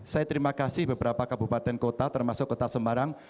saya terima kasih beberapa kabupaten kota termasuk kota semarang